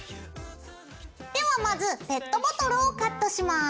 ではまずペットボトルをカットします。